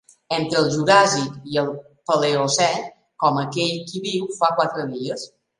Entre el juràssic i el paleocè, com aquell qui diu fa quatre dies.